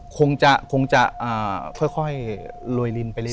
คงจะค่อยโรยลินไปเรื่อ